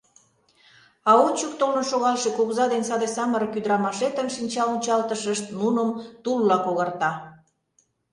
А ончык толын шогалше кугыза ден саде самырык ӱдырамашетын шинчаончалтышышт нуным тулла когарта.